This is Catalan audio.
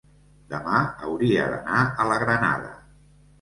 demà hauria d'anar a la Granada.